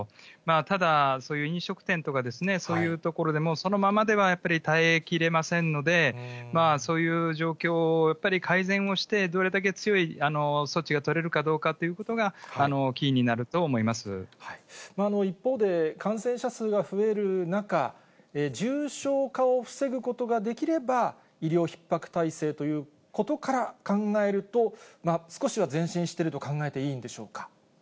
ただ、そういう飲食店とかですね、そういうところで、もうそのままではやっぱり耐えきれませんので、そういう状況をやっぱり改善をして、どれだけ強い措置が取れるかどうかということが、キーになると思一方で、感染者数が増える中、重症化を防ぐことができれば、医療ひっ迫体制ということから考えると、少しは前進していると考えていいんでしょうか。